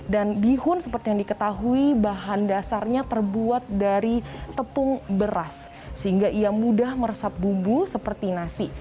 dan bihun seperti yang diketahui bahan dasarnya terbuat dari tepung beras sehingga ia mudah meresap bumbu seperti nasi